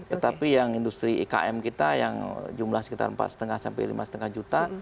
tetapi yang industri ikm kita yang jumlah sekitar empat lima sampai lima lima juta